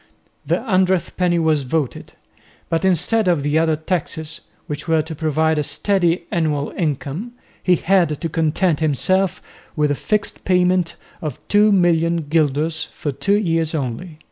The "hundredth penny" was voted, but instead of the other taxes, which were to provide a steady annual income, he had to content himself with a fixed payment of 2,000,000 guilders for two years only.